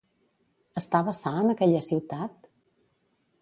Estava sa en aquella ciutat?